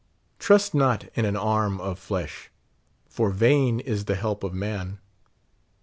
Trust not in an arm of flesh ; for vain is the help of man.